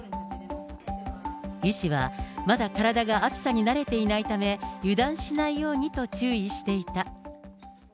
医師は、まだ体が暑さに慣れていないため、油断しないようにと注意していた。